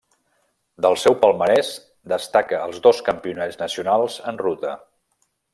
Del seu palmarès destaca els dos campionats nacionals en ruta.